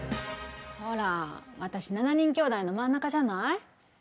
ほら私７人きょうだいの真ん中じゃない？